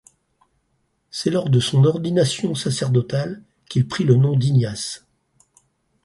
C'est lors de son ordination sacerdotale qu'il prit le nom d’Ignace.